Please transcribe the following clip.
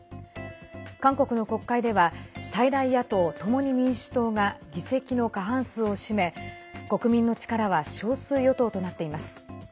韓国の国会では最大野党・共に民主党が議席の過半数を占め国民の力は少数与党となっています。